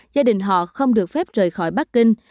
gia đình họ không được phép rời khỏi bắc kinh